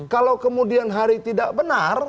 kalau kemudian hari tidak benar